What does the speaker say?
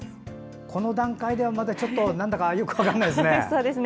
この段階ではまだちょっとよく分からないんですね。